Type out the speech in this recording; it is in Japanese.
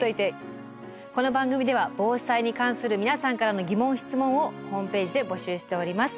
この番組では防災に関する皆さんからの疑問・質問をホームページで募集しております。